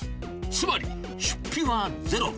つまり、出費はゼロ。